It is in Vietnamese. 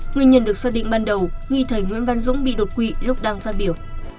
nguyên nhân được xác định ban đầu nghi thầy nguyễn văn dũng bị đột quỵ lúc đang phát biểu